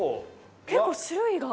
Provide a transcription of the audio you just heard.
結構種類が。